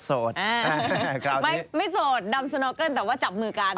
โสดไม่โสดดำสโนเกิ้ลแต่ว่าจับมือกัน